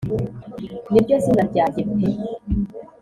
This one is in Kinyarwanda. niryo zina ryajye pe